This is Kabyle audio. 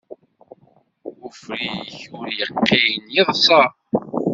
Ufrik ur iqqin, iḍsa.